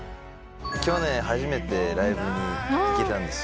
去年初めてライブに行けたんですよ。